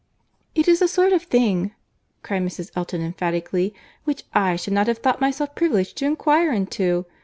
"It is a sort of thing," cried Mrs. Elton emphatically, "which I should not have thought myself privileged to inquire into.